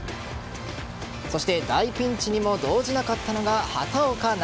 そして大ピンチにも動じなかったのが畑岡奈